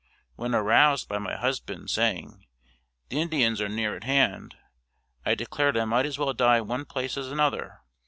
When aroused by my husband, saying "The Indians are near at hand," I declared I might as well die one place as another.